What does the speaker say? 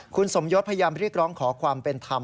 คุณสมยศพยายามเรียกร้องขอความเป็นธรรม